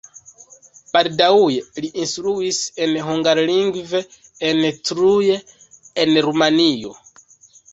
Baldaŭe li instruis hungarlingve en Cluj, en Rumanio.